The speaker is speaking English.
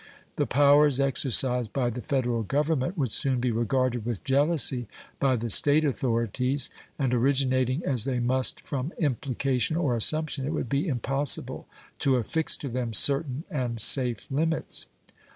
The powers exercised by the Federal Government would soon be regarded with jealousy by the State authorities, and originating as they must from implication or assumption, it would be impossible to affix to them certain and safe limits.